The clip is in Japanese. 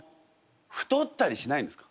太ったりしないんですか？